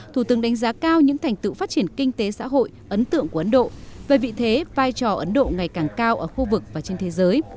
thủ tướng đánh giá cao những thành tựu phát triển kinh tế xã hội ấn tượng của ấn độ về vị thế vai trò ấn độ ngày càng cao ở khu vực và trên thế giới